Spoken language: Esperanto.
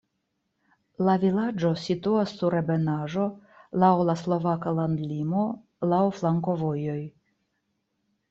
La vilaĝo situas sur ebenaĵo, laŭ la slovaka landlimo, laŭ flankovojoj.